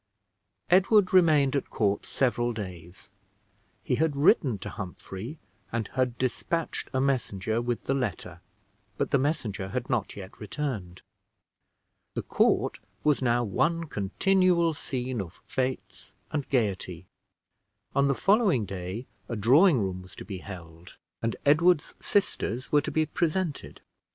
Edward remained at court several days. He had written to Humphrey, and had dispatched a messenger with the letter; but the messenger had not yet returned. The court was now one continual scene of fetes and gayety. On the following day a drawing room was to be held, and Edward's sisters were to be presented.